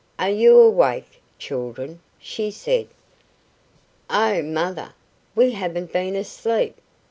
"Are you awake, children?" she said. "Oh, Mother, we haven't been asleep.